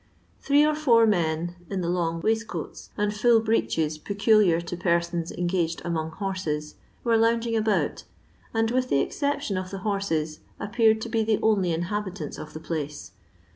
Three or four men, in the long waist coats and full breeches peculiar to persons en gaged among horses, were lounging about, and, with the exception of the horses, appeared to be the only inhabitants of the place.